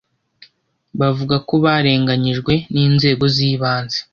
bavuga ko barenganyijwe n’inzego z’ibanze